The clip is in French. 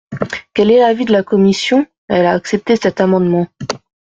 Quel est l’avis de la commission ? Elle a accepté cet amendement.